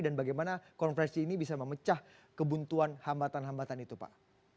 dan bagaimana komprensi ini bisa memecah kebuntuan hambatan hambatan itu pak